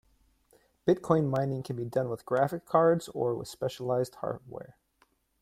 Bitcoin mining can be done with graphic cards or with specialized hardware.